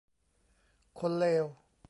คนเลว